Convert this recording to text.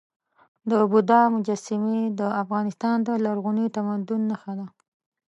د بودا مجسمې د افغانستان د لرغوني تمدن نښه ده.